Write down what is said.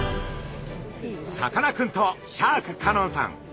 さかなクンとシャーク香音さん